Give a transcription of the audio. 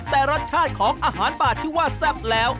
แต่รสชาติของอาหารป่าที่ว่าแซ่บแล้ว